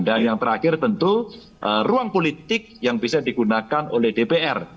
dan yang terakhir tentu ruang politik yang bisa digunakan oleh dpr